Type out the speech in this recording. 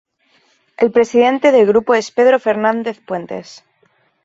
El presidente del grupo es Pedro Fernández Puentes.